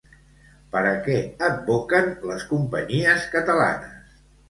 Per a què advoquen les companyies catalanes?